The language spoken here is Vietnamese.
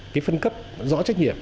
cái phân cấp rõ trách nhiệm